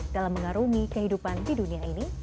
dalam mengarungi kehidupan di dunia ini